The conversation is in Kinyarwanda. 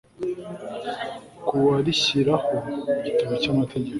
kuwa rishyiraho Igitabo cy Amategeko